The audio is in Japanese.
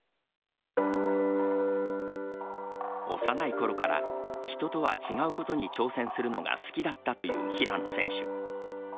幼いころから人とは違うことに挑戦するのが好きだったという平野選手。